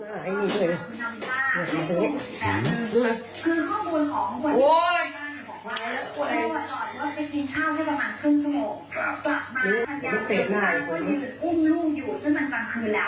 กลับมายืดกุ้งลูกอยู่ซึ่งนั้นต่างคือแล้ว